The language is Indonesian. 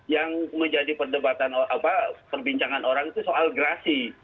tapi yang umumnya yang menjadi perdebatan apa perbincangan orang itu soal gerasi